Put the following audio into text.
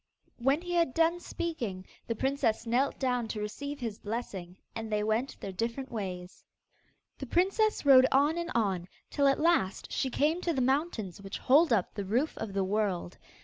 When he had done speaking, the princess knelt down to receive his blessing, and they went their different ways. The princess rode on and on, till at last she came to the mountains which hold up the roof of the world.